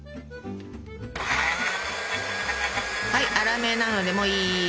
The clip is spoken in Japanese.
はい粗めなのでもういい。